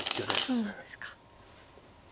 そうなんですか。